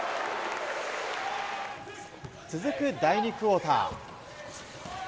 続く第２クオーター。